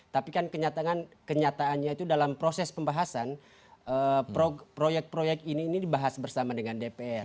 tapi kan kenyataannya itu dalam proses pembahasan proyek proyek ini ini dibahas bersama dengan dpr